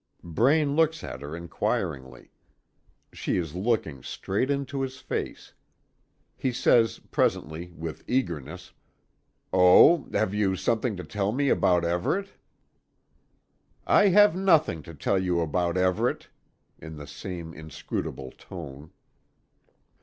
Braine looks at her inquiringly. She is looking straight into his face. He says presently, with eagerness: "Oh, you have something to tell me about Everet?" "I have nothing to tell you about Everet," in the same inscrutable tone.